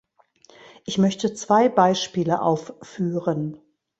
Ich möchte zwei Beispiele aufführen.